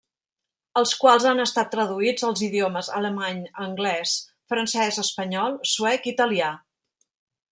Els quals han estat traduïts als idiomes: alemany, anglès, francès, espanyol, suec, italià.